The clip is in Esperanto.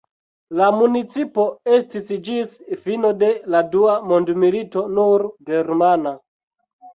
La municipo estis ĝis fino de la dua mondmilito nur germana.